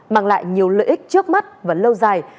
mang lại nhiều lợi ích trước mắt và lâu dài